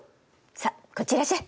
さあこっちへいらっしゃい。